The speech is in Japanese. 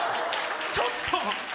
ちょっと！